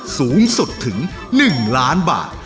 สูงสุดถึง๑ล้านบาท